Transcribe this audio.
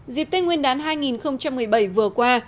dịp tết nguyên đán hai nghìn một mươi bảy vừa qua